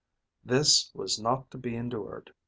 This was not to be endured.